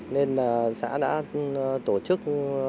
nên xã đã tổ chức